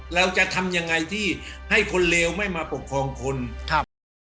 เราจะทำยังไงที่ให้คนเลวไม่มาปกครองคนครับ